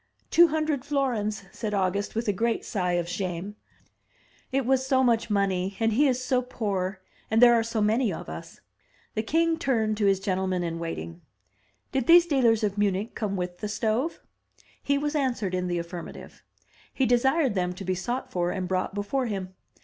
"Two hundred florins," said August, with a great sigh of shame. " It was so much money, and he is so poor, and there are so many of us." The king turned to his gentlemen in waiting. "Did these dealers of Mimich come with the stove?" He was answered in the affirmative. He desired them to be sought for and brought before him.